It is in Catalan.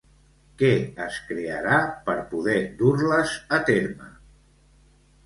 Què es crearà per poder dur-les a terme?